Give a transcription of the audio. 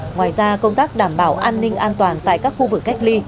ngoài ra công tác đảm bảo an ninh an toàn tại các khu vực cách ly